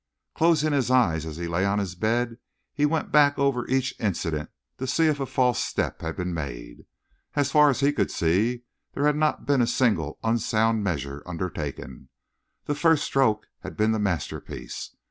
Closing his eyes as he lay on his bed, he went back over each incident to see if a false step had been made. As far as he could see, there had not been a single unsound measure undertaken. The first stroke had been the masterpiece.